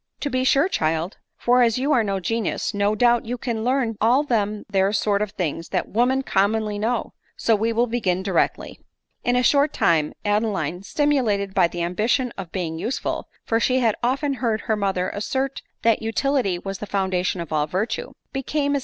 " To be sure, child ; for, as you are no genius, no doubt you can learn all them there sort of things that women commonly know ; so we will begin directly." In a short time, Adeline, stimulated by die ambition of being useful, (for she had often heard her mother assert that utility was the foundation of all virtue) became as ADELINE MOWBRAY.